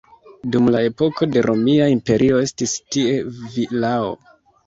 Dum la epoko de Romia Imperio estis tie vilao.